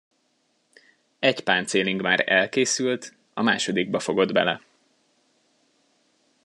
Egy páncéling már elkészült, a másodikba fogott bele.